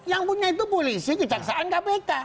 yang punya itu polisi kejaksaan kpk